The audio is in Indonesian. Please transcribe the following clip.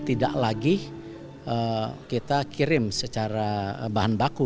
tidak lagi kita kirim secara bahan baku